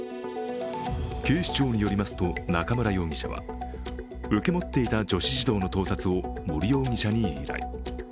警視庁によりますと、中村容疑者は受け持っていた女子児童の盗撮を森容疑者に依頼。